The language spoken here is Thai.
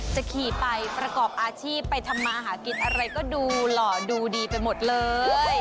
จะขี่ไปประกอบอาชีพไปทำมาหากินอะไรก็ดูหล่อดูดีไปหมดเลย